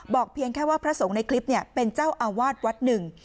เพียงแค่ว่าพระสงฆ์ในคลิปเป็นเจ้าอาวาสวัดหนึ่ง